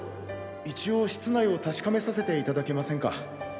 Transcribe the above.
一応室内を確かめさせていただけませんか？